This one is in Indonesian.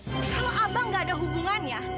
kalau abang gak ada hubungannya